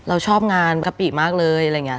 เราชอบงานกะปิมากเลยอะไรไง